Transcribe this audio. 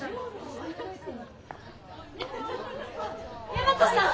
大和さん！